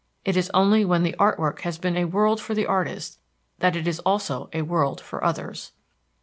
It is only when the art work has been a world for the artist that it is also a world for others."